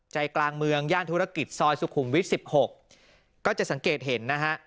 ใจกลางเมืองย่านธุรกิจซอยสุขุมวิทย์๑๖ก็จะสังเกตเห็นนะฮะ